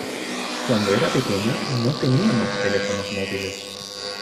Cuando era pequeño no teníamos teléfonos móviles.